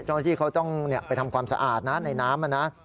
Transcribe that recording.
เจ้าหน้าที่เขาต้องไปทำความสะอาดนะในน้ำนะ